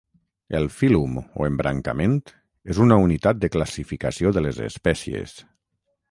El fílum o embrancament és una unitat de classificació de les espècies.